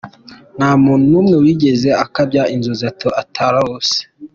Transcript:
Nta muntu n’umwe wigeze akabya inzozi atarose.